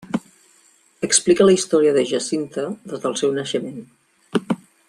Explica la història de Jacinta des del seu naixement.